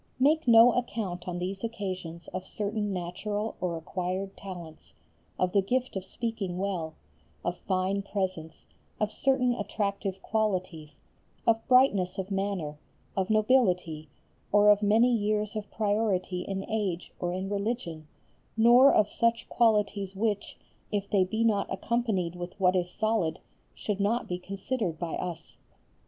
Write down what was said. Make no account on these occasions of certain natural or acquired talents, of the gift of speaking well, of fine presence, of certain attractive qualities, of brightness of manner, of nobility, or of many years of priority in age or in Religion, nor of such qualities which if they be not accompanied with what is solid, should not be considered by us.